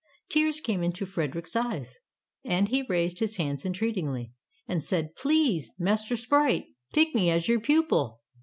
Tears came into Frederick's eyes, and he raised his hands entreatingly, and said, ''Please, Master Sprite, take me as your pupil!"